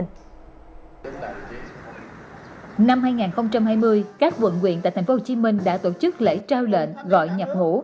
năm hai nghìn hai mươi các quận quyện tại tp hcm đã tổ chức lễ trao lệnh gọi nhập ngũ